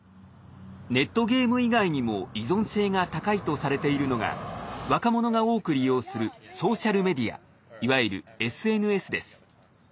ネットゲーム以外にも依存性が高いとされているのが若者が多く利用するソーシャルメディアいわゆるＳＮＳです。